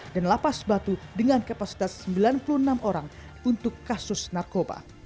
dan lapas batu dengan kapasitas sembilan puluh enam orang untuk kasus narkoba